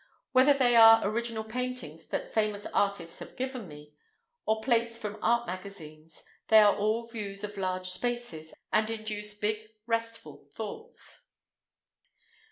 Whether they are original paintings that famous artists have given me, or plates from art magazines, they are all views of large spaces, and induce big, restful thoughts.